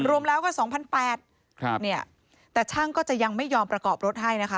รวมแล้วก็๒๘๐๐บาทเนี่ยแต่ช่างก็จะยังไม่ยอมประกอบรถให้นะคะ